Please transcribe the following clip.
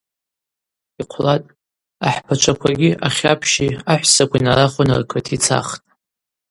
Йхъвлатӏ, ахӏпачваквагьи ахьапщи ахӏвссакви нарахвын ркыт йцахтӏ.